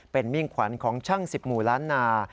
เป็นมิ่งขวัญของช่าง๑๐หมู่ล้านนา